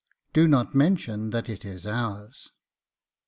DO NOT MENTION THAT IT IS OURS.